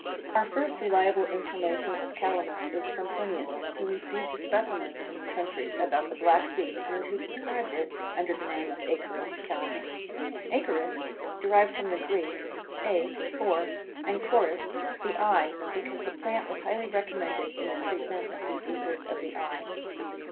Our first reliable information of Calamus is from Plinius, who received specimens from the country about the Black Sea and who described it under the name of Acorus calamus. Acorus, derived from the Greek a for, and corus, the eye, because the plant was highly recommended in the treatment of diseases of the eye.